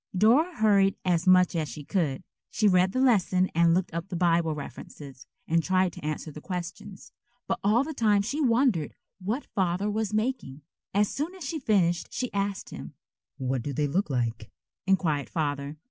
Dora hurried as much as she could. She read the lesson and looked up the Bible references and tried to answer the questions. But all the time she wondered what Father was making. As soon as she finished she asked him. "What do they look like?" inquired Father.